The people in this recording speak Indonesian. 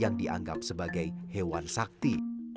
dan juga dianggap sebagai hewan sakti